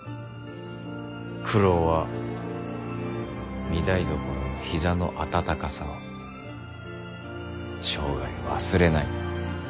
九郎は御台所の膝の温かさを生涯忘れないと。